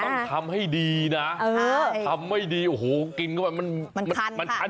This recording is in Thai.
ต้องทำให้ดีนะทำให้ดีโอ้โหกินก็มันคันคอนะครับ